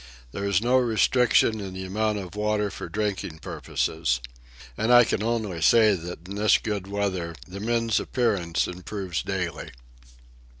There is no restriction in the amount of water for drinking purposes. And I can only say that in this good weather the men's appearance improves daily.